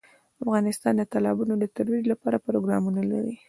افغانستان د تالابونو د ترویج لپاره پروګرامونه لري.